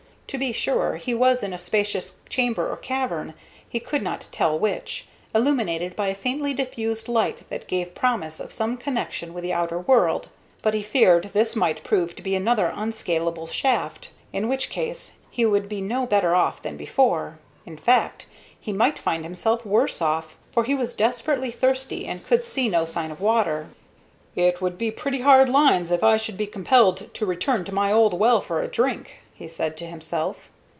To be sure, he was in a spacious chamber or cavern, he could not yet tell which, illumined by a faintly diffused light that gave promise of some connection with the outer world; but he feared this might prove to be another unscalable shaft, in which case he would be no better off than before in fact, he might find himself worse off, for he was desperately thirsty and could see no sign of water. "It would be pretty hard lines if I should be compelled to return to my old well for a drink," he said to himself.